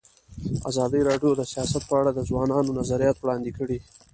ازادي راډیو د سیاست په اړه د ځوانانو نظریات وړاندې کړي.